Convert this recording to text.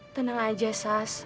tenang aja sas